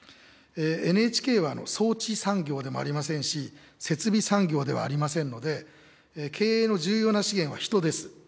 ＮＨＫは装置産業でもありませんし、設備産業ではありませんので、経営の重要な資源は人です。